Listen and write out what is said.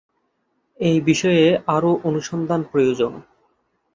এই বিষয়ে আরো অনুসন্ধান প্রয়োজন।